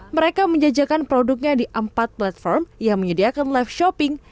mereka menjajakan produknya di empat platform yang menyediakan live shopping